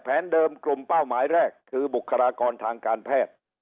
เดิมกลุ่มเป้าหมายแรกคือบุคลากรทางการแพทย์